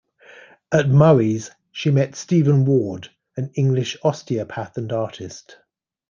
At Murray's she met Stephen Ward, an English osteopath and artist.